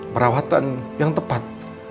perawatan yang tepat